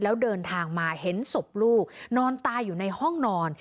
แล้วเดินทางมาเห็นศพลูกนอนตายอยู่ในห้องนอน